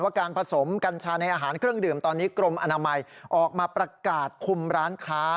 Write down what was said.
การผสมกัญชาในอาหารเครื่องดื่มตอนนี้กรมอนามัยออกมาประกาศคุมร้านค้า